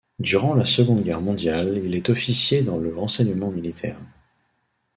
Durant la Seconde Guerre mondiale il est officier dans le renseignement militaire.